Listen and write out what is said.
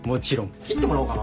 切ってもらおうかな。